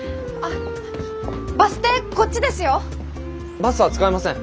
バスは使いません。